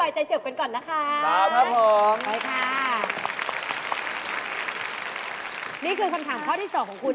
อ้าวแล้ว๓อย่างนี้แบบไหนราคาถูกที่สุด